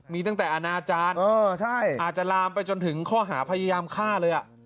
มีตั้งแต่อนาจารย์อาจจะลามไปจนถึงข้อหาพยายามฆ่าเลย